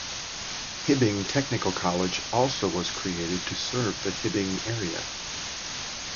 Hibbing Technical College also was created to serve the Hibbing area.